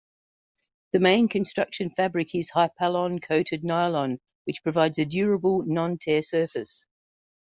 The main construction fabric is Hypalon-coated Nylon which provides a durable, non-tear surface.